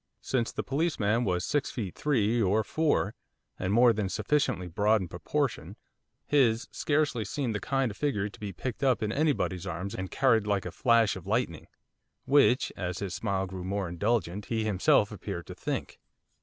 Since the policeman was six feet three or four, and more than sufficiently broad in proportion, his scarcely seemed the kind of figure to be picked up in anybody's arms and carried like a 'flash of lightning,' which, as his smile grew more indulgent, he himself appeared to think.